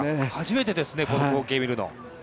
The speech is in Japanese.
初めてですね、この光景を見るの。